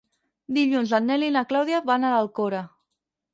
Dilluns en Nel i na Clàudia van a l'Alcora.